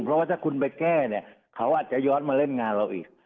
เพราะว่าถ้าคุณไปแก้เนี่ยเขาอาจจะย้อนมาเล่นงานเราอีก